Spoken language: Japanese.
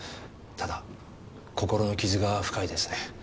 ただ心の傷が深いですね